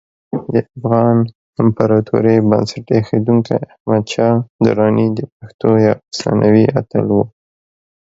د افغان امپراتورۍ بنسټ ایښودونکی احمدشاه درانی د پښتنو یو افسانوي اتل و.